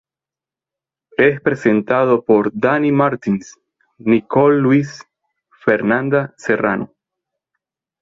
Es presentado por Dani Martins, Nicole Luis, Fernanda Serrano.